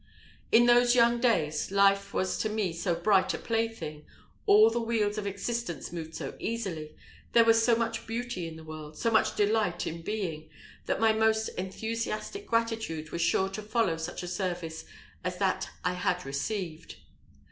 In those young days, life was to me so bright a plaything, all the wheels of existence moved so easily, there was so much beauty in the world, so much delight in being, that my most enthusiastic gratitude was sure to follow such a service as that I had received.